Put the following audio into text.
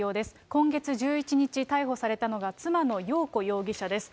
今月１１日、逮捕されたのは妻のよう子容疑者です。